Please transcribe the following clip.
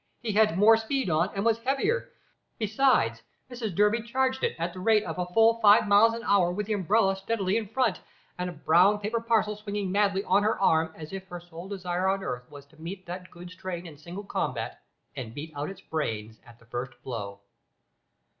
His had more speed on and was heavier; besides, Mrs Durby charged it at the rate of full five miles an hour, with the umbrella steadily in front, and a brown paper parcel swinging wildly on her arm, as if her sole desire on earth was to meet that goods engine in single combat and beat out its brains at the first blow.